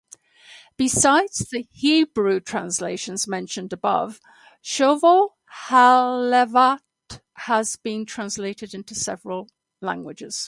Besides the Hebrew translations mentioned above, "Chovot HaLevavot" has been translated into several languages.